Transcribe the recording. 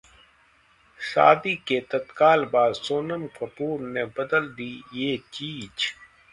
शादी के तत्काल बाद सोनम कपूर ने बदल दी ये चीज